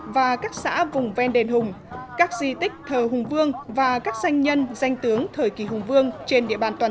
và các xã vùng ven đền hùng các di tích thờ hùng vương và các danh nhân